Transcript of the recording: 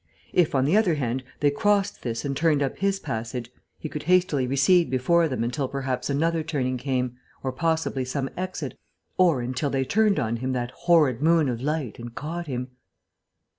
If, on the other hand, they crossed this and turned up his passage, he could hastily recede before them until perhaps another turning came, or possibly some exit, or until they turned on him that horrid moon of light and caught him....